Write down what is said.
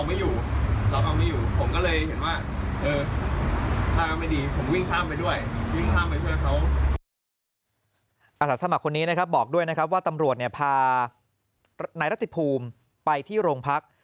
อาสาสมัครคนนี้บอกด้วยว่าตำรวจพานายรติภูมิไปที่โรงพัก